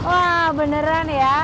wah beneran ya